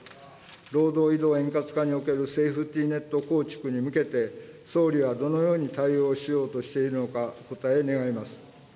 労働移動円滑化におけるセーフティーネット構築に向けて、総理はどのように対応しようとしているのか、お答え願います。